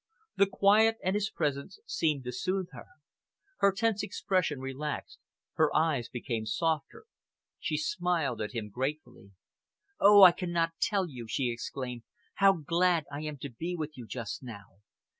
The quiet and his presence seemed to soothe her. Her tense expression relaxed, her eyes became softer. She smiled at him gratefully. "Oh, I cannot tell you," she exclaimed, "how glad I am to be with you just now!